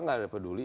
tidak ada peduli